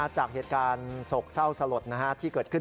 จากเหตุการณ์โศกเศร้าสลดที่เกิดขึ้น